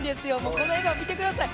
この笑顔見てください。